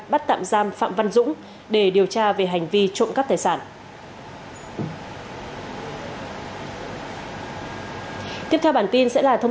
bắt tạm giam phạm văn dũng để điều tra về hành vi trộm cắp tài sản